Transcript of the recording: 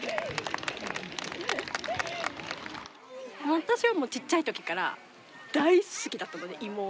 私はもうちっちゃい時から大好きだったのね妹。